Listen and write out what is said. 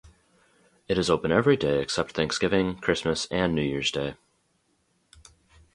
It is open every day except Thanksgiving, Christmas, and New Year's Day.